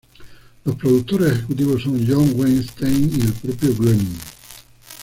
Los productores ejecutivos son Josh Weinstein y el propio Groening.